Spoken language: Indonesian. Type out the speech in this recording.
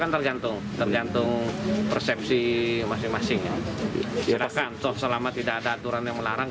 tergantung tergantung persepsi masing masing silakan selama tidak ada aturan yang melarang